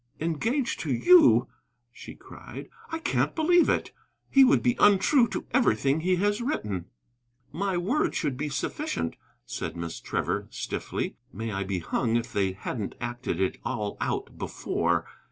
"Engaged to you?" she cried, "I can't believe it. He would be untrue to everything he has written." "My word should be sufficient," said Miss Trevor, stiffly. (May I be hung if they hadn't acted it all out before.)